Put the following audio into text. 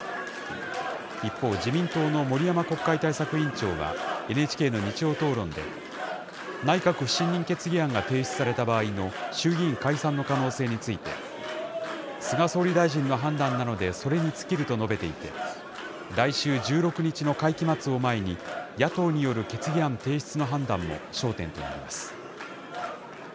一方、自民党の森山国会対策委員長は、ＮＨＫの日曜討論で、内閣不信任決議案が提出された場合の衆議院解散の可能性について、菅総理大臣の判断なので、それに尽きると述べていて、来週１６日の会期末を前に、野党による決議案提出の判断も焦点となります。